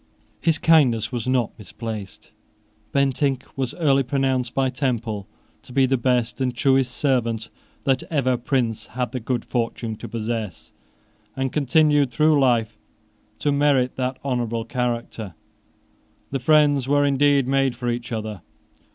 His kindness was not misplaced. Bentinck was early pronounced by Temple to be the best and truest servant that ever prince had the good fortune to possess, and continued through life to merit that honourable character. The friends were indeed made for each other.